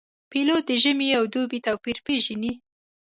پیلوټ د ژمي او دوبي توپیر پېژني.